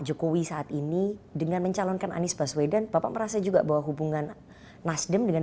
jokowi saat ini dengan mencalonkan anies baswedan bapak merasa juga bahwa hubungan nasdem dengan